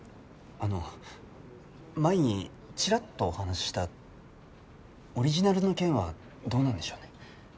あの前にチラッとお話ししたオリジナルの件はどうなんでしょうね？